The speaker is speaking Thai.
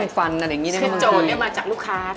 อุ๊ยอันอะไรคะนี่ป้าอะไรคะปะนิ่ม